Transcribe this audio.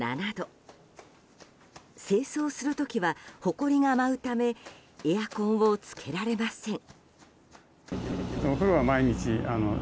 清掃する時はほこりが舞うためエアコンをつけられません。